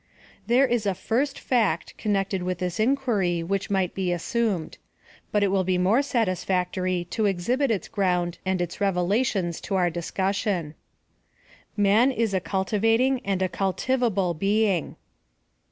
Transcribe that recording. There is a first fact connected with this in quiry which might be assumed ; but it will be more satisfactory to exhibit its ground and its relations to our discussion. Man is a cultivating and a cultivable being.